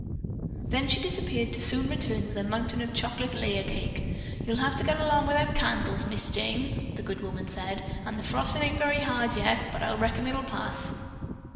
Then she disappeared to soon return with a mountain of a chocolate layer cake. "You'll have to get along without candles, Miss Jane," the good woman said, "an' the frostin' ain't very hard yet, but I reckon it'll pass."